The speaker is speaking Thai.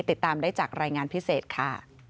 ติดตามได้จากรายงานพิเศษค่ะ